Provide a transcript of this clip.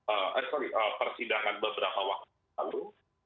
eh sorry persidangan beberapa waktu lalu